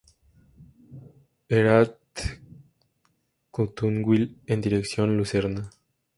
Erhard-Knutwil en dirección Lucerna.